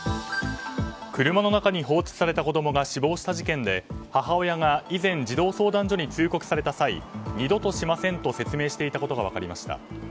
車の中に放置された子供が死亡した事件で母親が以前児童相談所に通告された際二度としませんと説明していたことが分かりました。